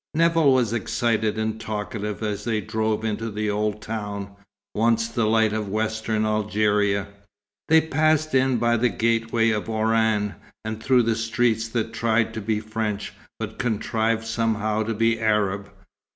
Nevill was excited and talkative as they drove into the old town, once the light of western Algeria. They passed in by the gateway of Oran, and through streets that tried to be French, but contrived somehow to be Arab.